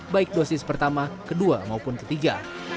baik dosis pertama kedua maupun ketiga